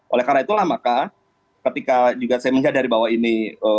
oleh karena itulah maka ketika juga saya menyadari bahwa ini